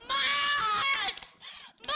umi aku mau ke rumah